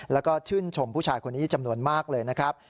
แล้วก็ชื่นชมผู้ชายคนนี้จำนวนมากเลยนะครับ